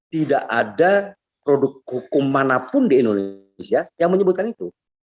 tidak ada produk hukum manapun di indonesia yang menyebutkan itu